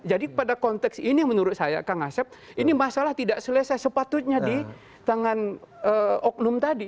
jadi pada konteks ini menurut saya kang ghasib ini masalah tidak selesai sepatutnya di tangan oknum tadi